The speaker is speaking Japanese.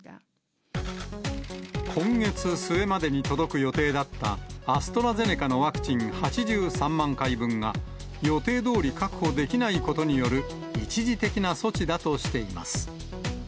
今月末までに届く予定だった、アストラゼネカのワクチン８３万回分が、予定どおり確保できないことによる、一時的な措置だとしています。